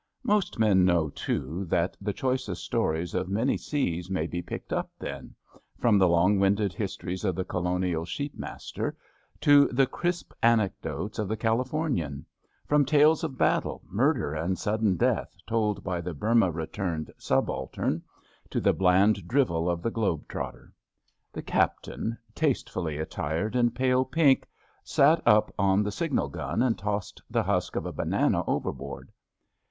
Most men know, too, that the choicest stories of many seas may be picked up then — from the long winded histories of the Colonial sheep master to the crisp anecdotes of the Calif omian; from tales of battle, murder and sudden death told by the Burmah retumed subaltern, to the bland drivel of the globe trotter. The Captain, tastefully attired in pale pink, sat up on the signal gun and tossed the husk of a banana overboard.